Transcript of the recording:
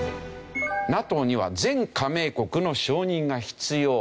ＮＡＴＯには全加盟国の承認が必要。